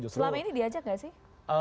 selama ini diajak gak sih